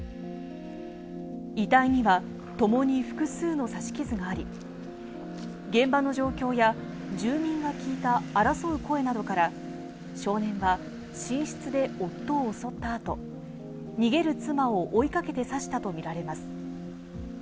遺体には、ともに複数の刺し傷があり、現場の状況や、住民が聞いた争う声などから、少年は、寝室で夫を襲ったあと、逃げる妻を追いかけて刺したと見られます。